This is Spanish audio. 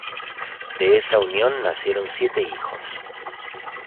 De esa unión nacieron siete hijos.